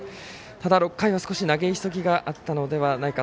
ただ、６回以降投げ急ぎがあったのではないか。